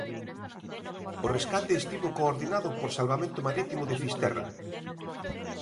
O rescate estivo coordinado por salvamento marítimo de Fisterra.